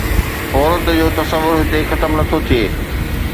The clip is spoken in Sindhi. عورت جو تصور هتي ختم نٿو ٿئي.